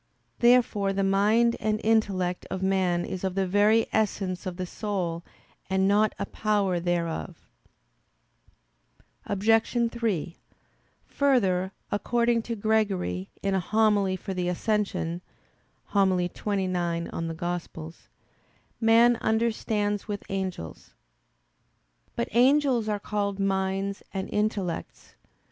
Therefore the mind and intellect of man is of the very essence of the soul and not a power thereof. Obj. 3: Further, according to Gregory, in a homily for the Ascension (xxix in Ev.), "man understands with the angels." But angels are called "minds" and "intellects."